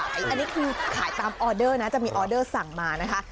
อันนี้คือขายตามออเดอร์นะจะมีออเดอร์สั่งมานะคะ